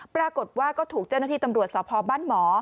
ปรากฏว่าก็ถูกเจ้าหน้าที่ตำรวจสพบ้านหมอ